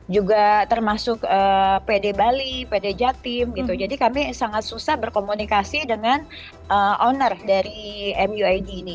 juga termasuk pd bali pd jatim gitu jadi kami sangat susah berkomunikasi dengan owner dari muid ini